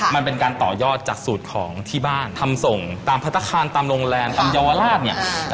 มันเป็นการต่อยอดจากสูตรของที่บ้านทำส่งตามพัฒนาคารตามโรงแรมตามเยาวราชเนี่ย